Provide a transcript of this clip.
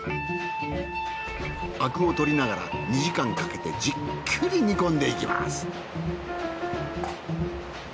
アクを取りながら２時間かけてじっくり煮込んでいきます。